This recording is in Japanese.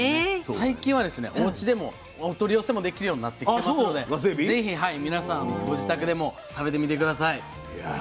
最近はおうちでもお取り寄せもできるようになってきてますのでぜひ皆さんご自宅でも食べてみて下さい。